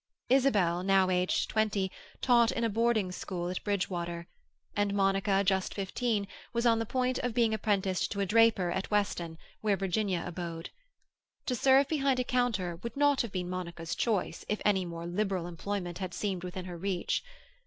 Isabel, now aged twenty, taught in a Board School at Bridgewater, and Monica, just fifteen, was on the point of being apprenticed to a draper at Weston, where Virginia abode. To serve behind a counter would not have been Monica's choice if any more liberal employment had seemed within her reach.